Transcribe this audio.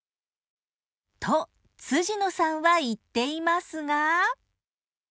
と野さんは言っていますが。